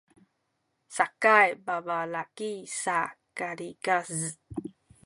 sakay babalaki sa kasikaz